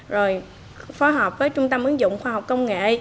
rồi phối hợp với trung tâm ứng dụng khoa học công nghệ